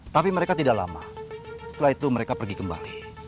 tapi mereka tidak lama setelah itu mereka pergi kembali